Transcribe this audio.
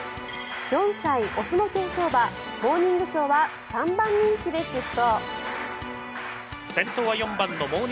４歳雄の競走馬モーニングショーは３番人気で出走。